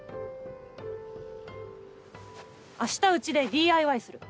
明日うちでＤＩＹする。